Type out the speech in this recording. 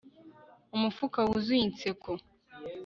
Umufuka wuzuye inseko